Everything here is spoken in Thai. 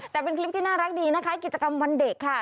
แต่เป็นคลิปที่น่ารักดีนะคะกิจกรรมวันเด็กค่ะ